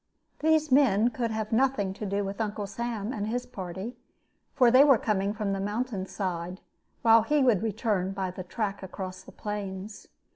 These men could have nothing to do with Uncle Sam and his party, for they were coming from the mountain side, while he would return by the track across the plains.